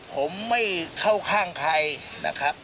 ผมไม่เข้าข้างใครนะครับ